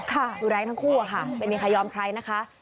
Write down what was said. ค่ะดูแลทั้งคู่ค่ะเป็นมีใครยอมใครนะคะ